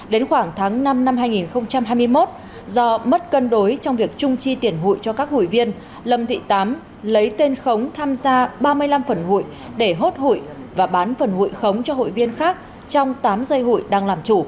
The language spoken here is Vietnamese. đến khoảng tháng năm năm hai nghìn hai mươi một do mất cân đối trong việc trung chi tiền hụi cho các hụi viên lâm thị tám lấy tên khống tham gia ba mươi năm phần hụi để hốt hụi và bán phần hụi khống cho hụi viên khác trong tám dây hụi đang làm chủ